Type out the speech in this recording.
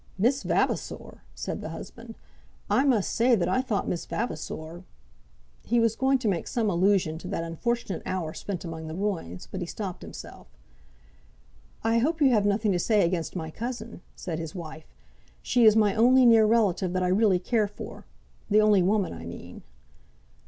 "Miss Vavasor!" said the husband. "I must say that I thought Miss Vavasor " He was going to make some allusion to that unfortunate hour spent among the ruins, but he stopped himself. "I hope you have nothing to say against my cousin?" said his wife. "She is my only near relative that I really care for; the only woman, I mean."